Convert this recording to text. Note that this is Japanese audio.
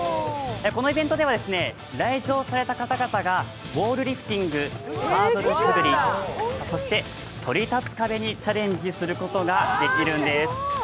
このイベントでは来場された方々がウォールリフティング、ハードルくぐり、そして、そり立つ壁にチャレンジすることができるんです。